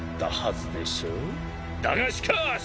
だがしかし！